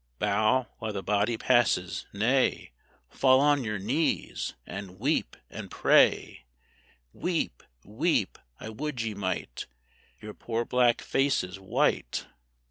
Bow while the body passes nay, Fall on your knees, and weep, and pray! Weep, weep I would ye might Your poor black faces white!